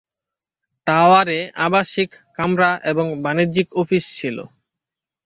টাওয়ারে আবাসিক কামরা এবং বাণিজ্যিক অফিস ছিল।